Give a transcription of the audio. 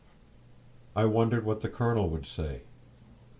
I wondered what the colonel would say.